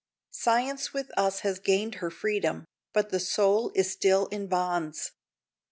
Science with us has gained her freedom, but the soul is still in bonds.